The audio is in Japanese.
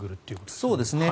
そうですね。